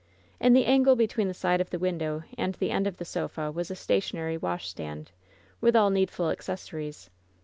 In the angle between the side of the window and the end of the sofa was a sta tionary washstand, with all needful accessories.